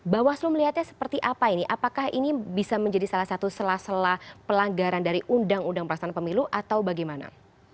bawaslu melihatnya seperti apa ini apakah ini bisa menjadi salah satu sela sela pelanggaran dari undang undang perasaan pemilu atau bagaimana